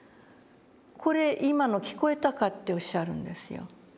「これ今の聞こえたか？」っておっしゃるんですよ。